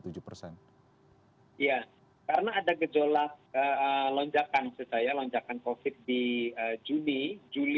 iya karena ada gejolak lonjakan saya lonjakan covid di juni juli